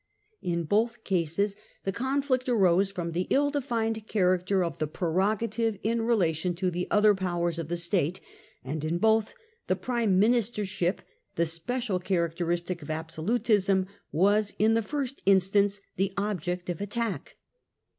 In both cases the conflict arose from the ill defined character of the pre rogative in relation to the other powers of the State, and in both the prime ministership, the special characteristic of absolutism, was in the first instance the object of attack.